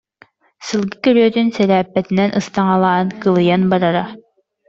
Сылгы күрүөтүн сэлээппэтинэн ыстаҥалаан, кылыйан барара